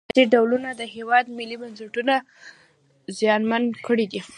سیاسي ډلو د هیواد ملي بنسټونه زیانمن کړي دي